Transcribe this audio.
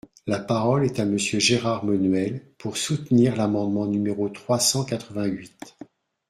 La parole est à Monsieur Gérard Menuel, pour soutenir l’amendement numéro trois cent quatre-vingt-huit.